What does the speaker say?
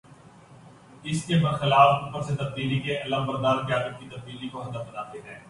اس کے بر خلاف اوپر سے تبدیلی کے علم بردار قیادت کی تبدیلی کو ہدف بناتے ہیں۔